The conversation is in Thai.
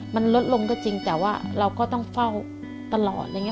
มันลดลงก็จริงแต่ว่าเราก็ต้องเฝ้าตลอดอะไรอย่างนี้